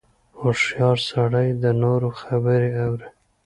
• هوښیار سړی د نورو خبرې اوري.